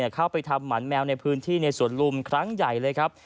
เข้าไปทำหมันแมวในพื้นที่ในสวนลุมครั้งใหญ่เลยครับ